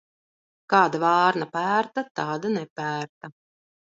Kāda vārna pērta, tāda nepērta.